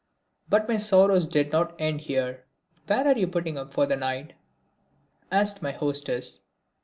But my sorrows did not end here. "Where are you putting up for the night?" asked my hostess.